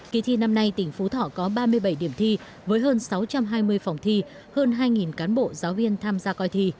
kỳ thi năm nay tỉnh phú thọ có ba mươi bảy điểm thi với hơn sáu trăm hai mươi phòng thi hơn hai cán bộ giáo viên tham gia coi thi